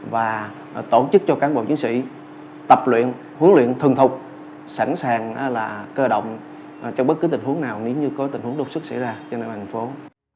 và tổ chức cho cán bộ chiến sĩ tập luyện huấn luyện thường thục sẵn sàng cơ động trong bất cứ tình huống nào nếu như có tình huống đột xuất xảy ra trên địa bàn tp hcm